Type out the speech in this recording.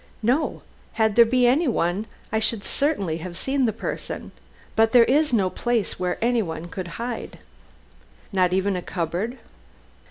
"No. Had there been anyone I should certainly have seen the person. But there is no place where anyone could hide." "Not even a cupboard?"